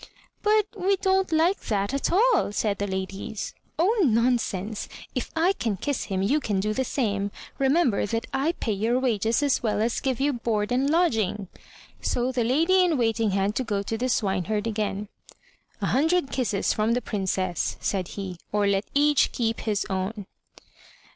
"But we don't like that at all," said the ladies. "Oh nonsense! If I can kiss him you can do the same. Re member that I pay your wages as well as give you board and lodging." So the lady ip waiting h^d to go to the swineherd again. "A hundred kisses from the Princess," said he, "or let each keep his own."